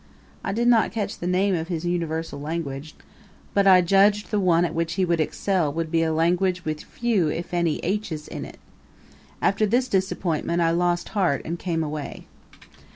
I did not catch the name of his universal language, but I judged the one at which he would excel would be a language with few if any h's in it. After this disappointment I lost heart and came away.